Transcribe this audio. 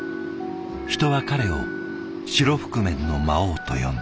人は彼を白覆面の魔王と呼んだ。